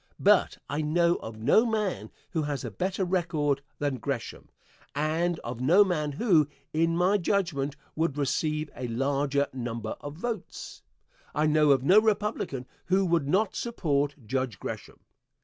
But I know of no man who has a better record than Gresham, and of no man who, in my judgment, would receive a larger number of votes. I know of no Republican who would not support Judge Gresham.